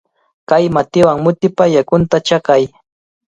Kay matiwan mutipa yakunta chaqay.